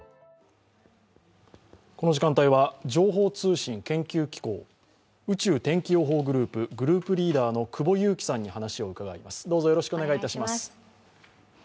この時間帯は情報通信研究機構宇宙天気予報グループ、グループリーダーの久保勇樹さんに話を伺います。